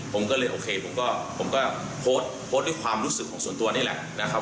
ผมก็เลยโอเคผมก็โพสต์โพสต์ด้วยความรู้สึกของส่วนตัวนี่แหละนะครับ